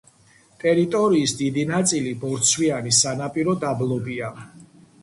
ტერიტორიის დიდი ნაწილი ბორცვიანი სანაპირო დაბლობია.